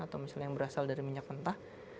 atau misalnya yang berasal dari minyak mentah